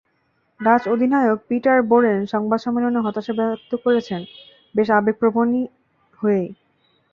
Dutch অধিনায়ক Peter Borren সংবাদ সম্মেলনে হতাশা ব্যক্ত করেছেন বেশ আবেগপ্রবণই হয়েই।